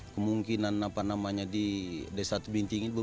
kemungkinan apa namanya di desa tubinting itu